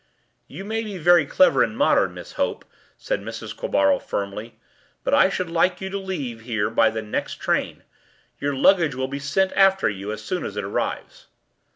” “You may be very clever and modern, Miss Hope,” said Mrs. Quabarl firmly, “but I should like you to leave here by the next train. Your luggage will be sent after you as soon as it arrives.